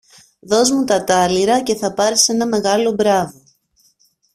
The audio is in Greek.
Δωσ' μου τα τάλιρα και θα πάρεις ένα μεγάλο μπράβο.